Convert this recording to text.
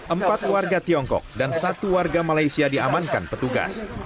empat warga tiongkok dan satu warga malaysia diamankan petugas